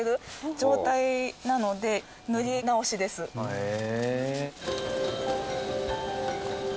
へえ。